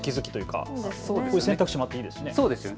こういう選択肢もあっていいですね。